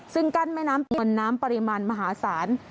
ซึ่งกั้นแม่น้ำปิวนน้ำปริมาณมหาศาล